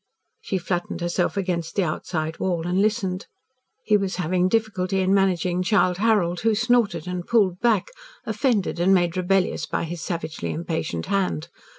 She flattened herself against the outside wall and listened. He was having difficulty in managing Childe Harold, who snorted and pulled back, offended and made rebellious by his savagely impatient hand.